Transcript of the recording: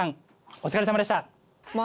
お疲れさまでした！